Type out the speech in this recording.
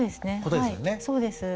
そうですね。